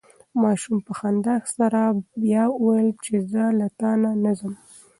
ماشوم په خندا سره بیا وویل چې زه له تا نه ځم.